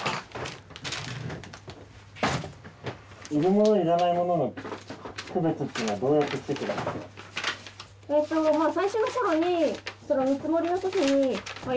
いる物いらない物の区別っていうのはどうやってつけてたんですか？